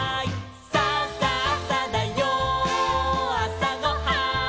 「さあさあさだよあさごはん」